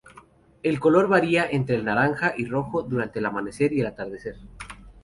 El color varía entre el naranja y rojo durante el amanecer y al atardecer.